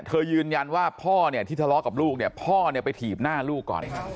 ยืนยันว่าพ่อเนี่ยที่ทะเลาะกับลูกเนี่ยพ่อเนี่ยไปถีบหน้าลูกก่อน